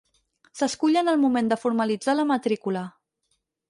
S'escull en el moment de formalitzar la matrícula.